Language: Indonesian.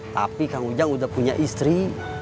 tapi kang ujang udah punya istri